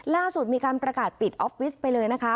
ล่าสุดมีการประกาศปิดออฟฟิศไปเลยนะคะ